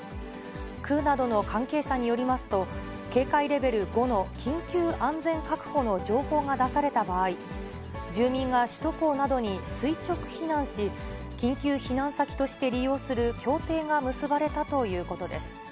区などの関係者によりますと、警戒レベル５の緊急安全確保の情報が出された場合、住民が首都高などに垂直避難し、緊急避難先として利用する協定が結ばれたということです。